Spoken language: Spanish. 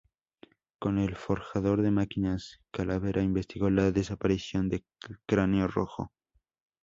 Con el Forjador de Máquinas, Calavera investigó la desaparición del Cráneo Rojo.